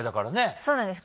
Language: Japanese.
そうなんです